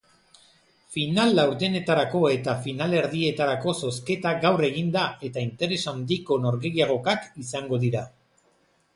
Final-laurdenetarako eta finalerdietarako zozketa gaur egin da eta interes handiko norgehiagokak izango dira.